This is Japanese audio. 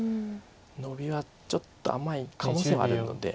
ノビはちょっと甘い可能性はあるので。